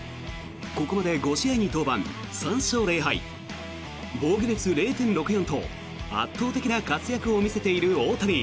ここまで５試合に登板、３勝０敗防御率０．６４と圧倒的な活躍を見せている大谷。